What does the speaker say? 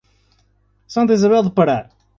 Santa Izabel do Pará